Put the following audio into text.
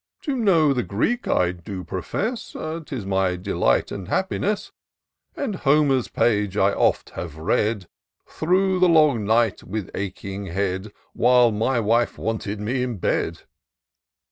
" To know the Greek I do profess — 'Tis my delight and happiness ; And Homer's page I oft have read, Through the long night, with aching head, When my wife wanted me in bed."